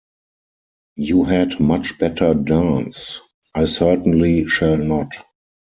You had much better dance. I certainly shall not.